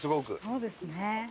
そうですね。